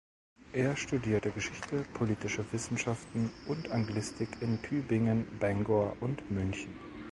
Er studierte Geschichte, Politische Wissenschaften und Anglistik in Tübingen, Bangor und München.